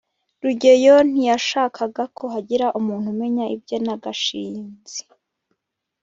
rugeyo ntiyashakaga ko hagira umuntu umenya ibye na gashinzi